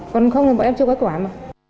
còn không thì bọn em chưa có quả mà